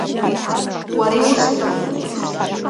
Уара иусҭоит.